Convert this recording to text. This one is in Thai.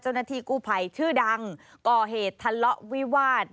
เจ้าหน้าที่กู้ภัยชื่อดังก่อเหตุทะเลาะวิวาส